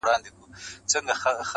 وهر يو رگ ته يې د ميني کليمه وښايه_